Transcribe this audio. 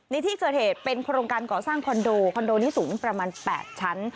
ในที่เกิดเหตุเป็นโครงการก่อสร้างคอนโดคอนโดนี้สูงประมาณ๘ชั้น